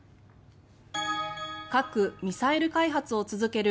核・ミサイル開発を続ける